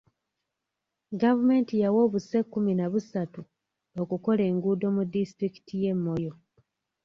Gavumenti yawa obuse kkumi na busatu okukola enguudo mu disitulikiti y'e Moyo.